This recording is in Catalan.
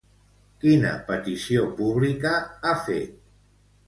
Quina petició pública ha fet?